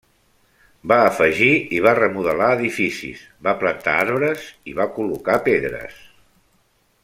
Va afegir i va remodelar edificis, va plantar arbres i va col·locar pedres.